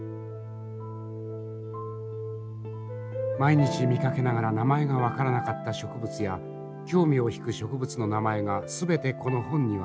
毎日見かけながら名前が分からなかった植物や興味を引く植物の名前が全てこの本には載っていました。